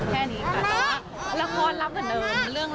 แค่นี้ค่ะแต่ว่าละครรับเหมือนเดิม